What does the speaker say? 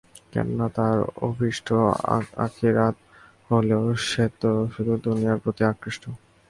কেননা, তার অভীষ্ট আখিরাত হলেও সে তো শুধু দুনিয়ার প্রতিই আকৃষ্ট।